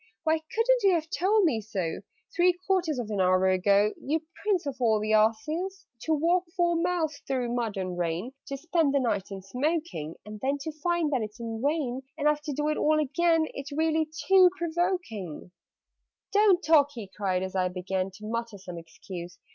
"Why couldn't you have told me so Three quarters of an hour ago, You prince of all the asses? "To walk four miles through mud and rain, To spend the night in smoking, And then to find that it's in vain And I've to do it all again It's really too provoking! "Don't talk!" he cried, as I began To mutter some excuse.